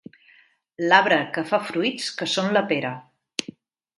L'arbre que fa fruits que són la pera.